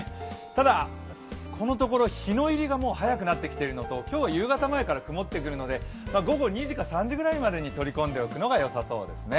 ただ、このところ日の入りが早くなってきているのと、今日は夕方前から曇ってくるので、午後２時か３時くらいに取り込んでおくのがよさそうですね。